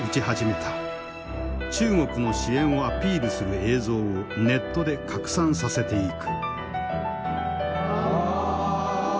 中国の支援をアピールする映像をネットで拡散させていく。